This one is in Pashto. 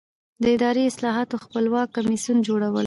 د اداري اصلاحاتو خپلواک کمیسیون جوړول.